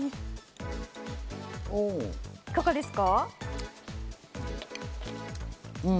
いかがですか？